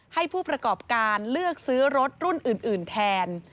ให้ผู้ประกอบการเลือกซื้อรถรุ่นอื่นแทน